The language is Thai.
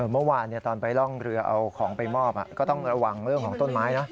เมื่อวานตอนไปร่องเรือเอาของไปมอบก็ต้องระวังเรื่องของต้นไม้นะ